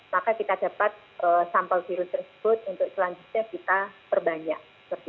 maka kita dapat sampel virus tersebut untuk selanjutnya kita perbanyak